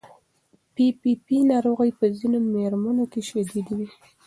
پي پي پي ناروغي په ځینو مېرمنو کې شدید وي.